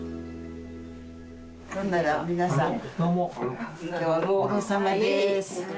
ほんなら皆さんきょうもご苦労さまです。